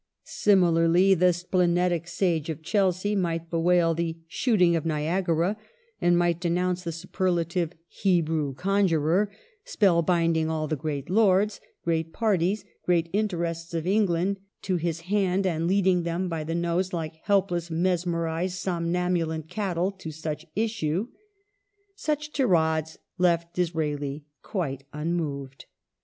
Similarly the splenetic sage^of Chelsea might bewail the '* shooting of Niagara " and might denounce " the superlative Hebrew conjuror, spell binding all the great Lords, great parties, great interests of England to his hand and leading them by the nose like helpless, mesmenzed somnambulant cattle to such issue ". Such tirades left Disraeli cjuite unmoved.